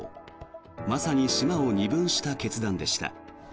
まさに島を２分した決断でした。